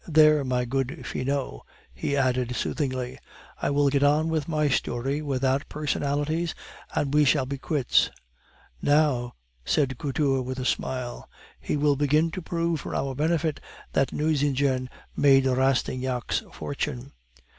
There, my good Finot," he added soothingly, "I will get on with my story without personalities, and we shall be quits." "Now," said Couture with a smile, "he will begin to prove for our benefit that Nucingen made Rastignac's fortune."